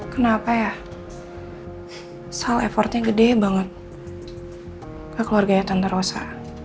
kenapa ya sal effortnya gede banget ke keluarganya tante rosa